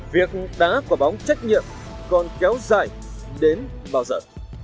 việc đá quả bóng trách nhiệm còn kéo dài đến bao giờ